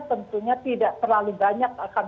tentunya tidak terlalu banyak akan